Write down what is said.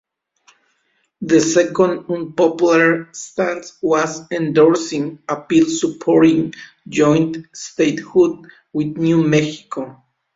The second unpopular stance was endorsing a bill supporting joint statehood with New Mexico.